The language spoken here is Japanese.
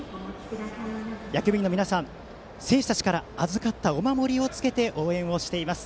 野球部員の皆さん選手たちから預かったお守りをつけて応援をしています。